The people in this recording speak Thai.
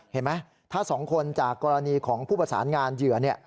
เห็นไหมถ้าสองคนจากกรณีของผู้ประสานงานเหยื่อ